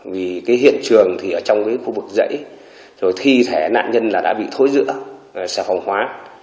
vì cái hiện trường thì ở trong cái khu vực dãy rồi thi thể nạn nhân là đã bị thối giữa xà phòng hóa